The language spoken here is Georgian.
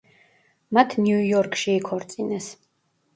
მათ ნიუ-იორკში იქორწინეს.